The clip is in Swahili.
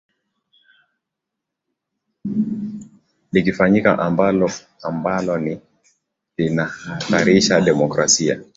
likifanyika ambalo ambalo ni linahatarisha demokrasia